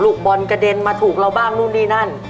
บอลกระเด็นมาถูกเราบ้างนู่นนี่นั่น